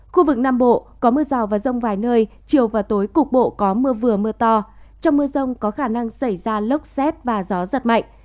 khu vực nam bộ có mưa rào và rông vài nơi chiều và tối cục bộ có mưa vừa mưa to trong mưa rông có khả năng xảy ra lốc xét và gió giật mạnh